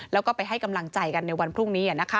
แล้วก็ไปให้กำลังใจกันในวันพรุ่งนี้